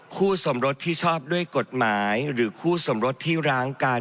คู่สมรสที่ชอบด้วยกฎหมายหรือคู่สมรสที่ร้างกัน